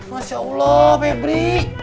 masya allah pebri